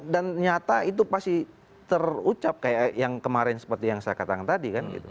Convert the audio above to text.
dan nyata itu pasti terucap kayak yang kemarin seperti yang saya katakan tadi kan